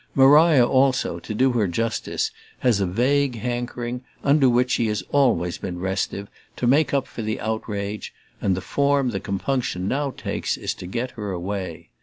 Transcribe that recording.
Maria also, to do her justice, has a vague hankering, under which she has always been restive, to make up for the outrage; and the form the compunction now takes is to get her away.